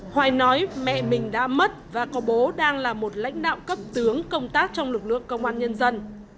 hoài nói mẹ mình đã mất và có bố đang là một lãnh đạo cấp tướng công tác trong lực lượng công an nhân dân